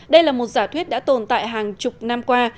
đây là một giả thuyết đã tồn tại hàng chục năm qua